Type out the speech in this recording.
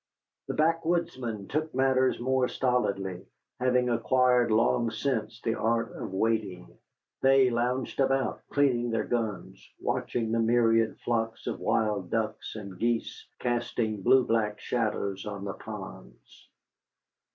The backwoodsmen took matters more stolidly, having acquired long since the art of waiting. They lounged about, cleaning their guns, watching the myriad flocks of wild ducks and geese casting blue black shadows on the ponds.